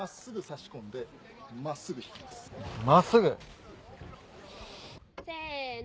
まっすぐ！せの。